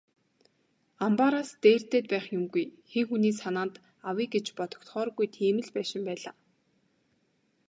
Амбаараас дээрдээд байх юмгүй, хэн хүний санаанд авъя гэж бодогдохооргүй тийм л байшин байлаа.